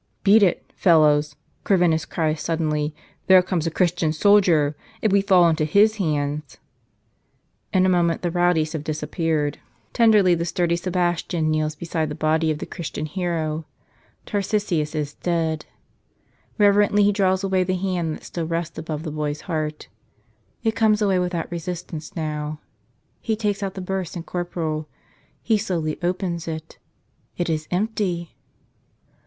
"Beat it, fellows!" Corvinus cries suddenly. "There comes a Christian soldier. If we fall into his hands .. In a moment the rowdies have dis¬ appeared. 99 "Tell Us Another!" Tenderly the sturdy Sebastian kneels beside the body of the Christian hero. Tarsicius is dead. Rev¬ erently he draws away the hand that still rests above the boy's heart. It comes away without resistance now. He takes out the burse and corporal. He slowly opens it. It is empty